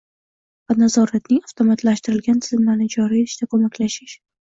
va nazoratning avtomatlashtirilgan tizimlarini joriy etishda ko‘maklashish